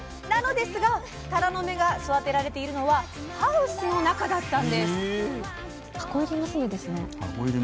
なのですがタラの芽が育てられているのはハウスの中だったんです！